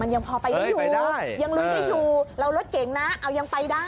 มันยังพอไปไม่อยู่เอ้ยไปได้ยังรู้ไม่อยู่เรารถเก่งน่ะเอายังไปได้